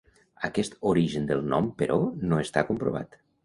Aquest origen del nom però, no està comprovat.